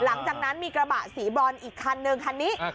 หลังจากนั้นมีกระบะสีบรอนอีกคันนึงคันนี้